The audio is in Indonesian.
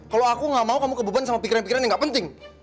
kalau aku gak mau kamu kebeban sama pikiran pikiran yang gak penting